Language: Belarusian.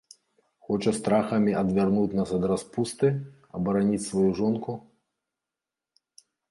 Хоча страхамі адвярнуць нас ад распусты, абараніць сваю жонку?